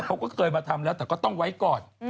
เขาก็เคยมาทำแล้วแต่ก็ต้องไว้ก่อน